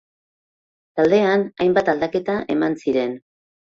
Taldean hainbat aldaketa eman ziren.